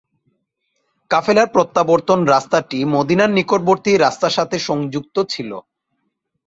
কাফেলার প্রত্যাবর্তন রাস্তাটি মদীনার নিকটবর্তী রাস্তার সাথে সংযুক্ত ছিল।